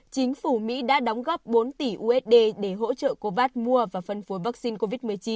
chính phủ mỹ đã đóng góp bốn tỷ usd để hỗ trợ covas mua và phân phối vaccine covid một mươi chín